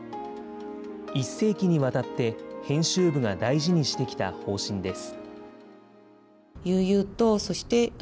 １世紀にわたって編集部が大事にしてきた方針です。